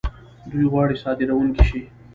دوی غواړي صادرونکي شي.